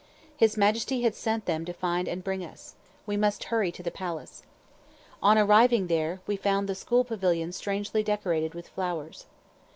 His Majesty had sent them to find and bring us. We must hurry to the palace. On arriving there, we found the school pavilion strangely decorated with flowers.